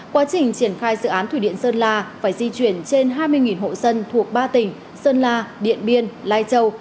quá trình triển khai dự án thủy điện sơn la phải di chuyển trên hai mươi hộ dân thuộc ba tỉnh sơn la điện biên lai châu